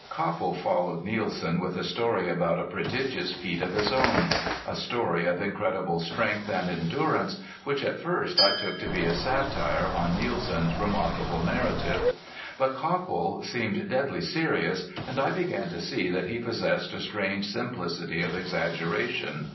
Copple followed Nielsen with a story about a prodigious feat of his own a story of incredible strength and endurance, which at first I took to be a satire on Nielsen's remarkable narrative. But Copple seemed deadly serious, and I began to see that he possessed a strange simplicity of exaggeration.